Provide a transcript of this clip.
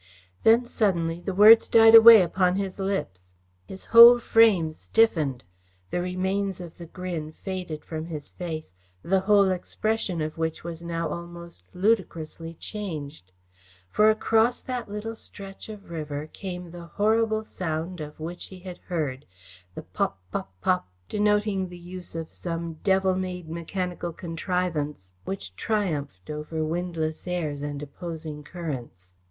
Then suddenly the words died away upon his lips. His whole frame stiffened. The remains of the grin faded from his face, the whole expression of which was now almost ludicrously changed. For across that little stretch of river came the horrible sound of which he had heard, the pop pop pop denoting the use of some devil made mechanical contrivance, which triumphed over windless airs and opposing currents.